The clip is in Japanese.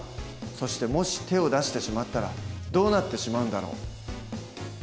そしてもし手を出してしまったらどうなってしまうんだろう？